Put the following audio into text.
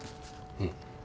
うん。